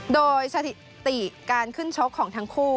โดยสถิติการขึ้นชกของทั้งคู่